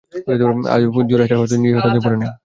আবু যুরাইয তার হস্তদ্বয় নিজের হস্তদ্বয়ে পুরে নেয়।